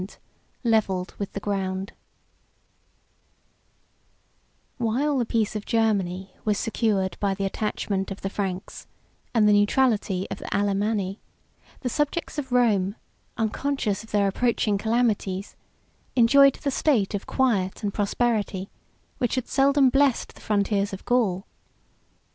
] While the peace of Germany was secured by the attachment of the Franks, and the neutrality of the Alemanni, the subjects of Rome, unconscious of their approaching calamities, enjoyed the state of quiet and prosperity, which had seldom blessed the frontiers of Gaul.